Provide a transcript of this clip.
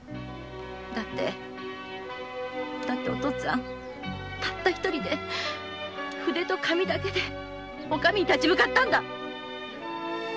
だってだってお父っつぁんはたった独りで筆と紙だけでお上に立ち向かったんだ！